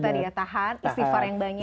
jadi itu tadi ya tahan istighfar yang banyak